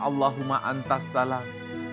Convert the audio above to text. allahumma anta salam